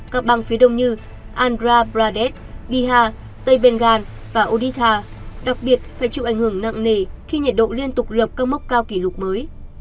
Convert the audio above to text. các bang phía đông như andhra pradesh bihar tây bengal và odisha đặc biệt phải chịu ảnh hưởng nặng nề khi nhiệt độ liên tục lập các mốc cao kỷ lục mới